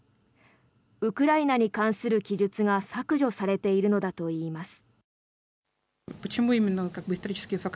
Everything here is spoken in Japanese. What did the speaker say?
ウクライナに関する記述が削除されているのだといいます。